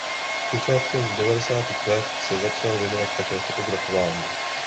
Počátkem devadesátých let se začal věnovat také fotografování.